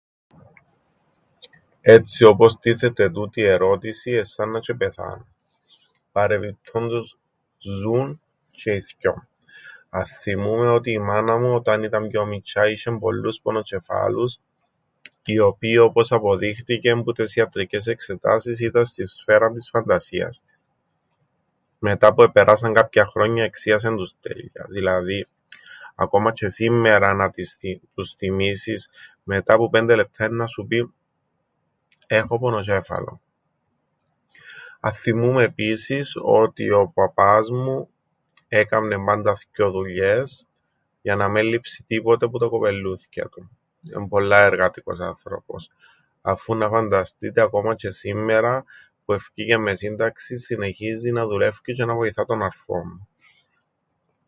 "Έτσι όπως τίθεται τούτη η ερώτηση, εν' σάννα τζ̆αι 'πεθάναν. Παρεπιπτόντως, ζουν τζ̆αι οι θκυο. Αθθυμούμαι ότι η μάνα μου όταν ήταν πιο μιτσ̆ιά είσ̆εν πολλούς πονοτζ̆εφάλους, οι οποίοι όπως αποδείχτηκεν που τες ιατρικές εξετάσεις ήταν στην σφαίραν της φαντασίας της. Μετά που επεράσαν κάποια χρόνια εξίασεν τους τέλεια, δηλαδή, ακόμα τζ̆αι σήμμερα να της τους θθυμίσεις, μετά που πέντε λεπτά έννα σου πει ""έχω πονοτζ̆έφαλον"". Αθθυμούμαι επίσης ότι ο παπάς μου έκαμνεν πάντα θκυο δουλειές, για να μεν λείψει τίποτε που τα κοπελλούθκια του. Εν' πολλά εργατικός άνθρωπος. Αφού να φανταστείτε ακόμα τζ̆αι σήμμερα, που εφκήκεν με σύνταξην, συνεχίζει να δουλεύκει τζ̆αι να βοηθά τον αρφόν μου."